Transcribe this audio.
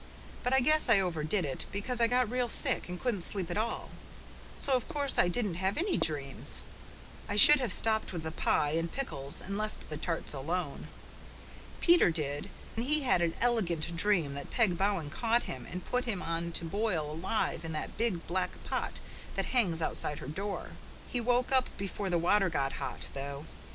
But I guess I overdid it, because I got real sick and couldn't sleep at all, so of course I didn't have any dreams. I should have stopped with the pie and pickles and left the tarts alone. Peter did, and he had an elegant dream that Peg Bowen caught him and put him on to boil alive in that big black pot that hangs outside her door. He woke up before the water got hot, though.